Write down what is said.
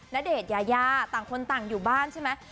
ณเดชน์ยายาต่างคนต่างอยู่บ้านใช่ไหม